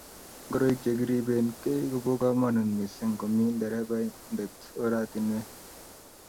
Ngoroik che kiriben kei kobo komonut missing ngomi.nderebaindet oratinwek